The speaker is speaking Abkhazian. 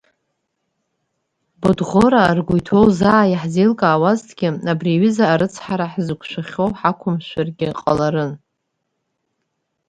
Бодӷораа ргәы иҭоу заа иаҳзеилкаауазҭгьы абри аҩыза арыцҳара ҳзықәшәахьоу ҳрықәымшәаргьы ҟаларын.